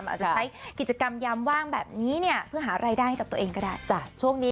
อาจจะใช้กิจกรรมยามว่างแบบนี้เนี่ยเพื่อหารายได้กับตัวเองก็ได้